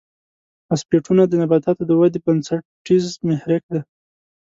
فاسفیټونه د نباتاتو د ودې بنسټیز محرک دی.